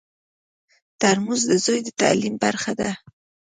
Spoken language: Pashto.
ترموز د زوی د تعلیم برخه ده.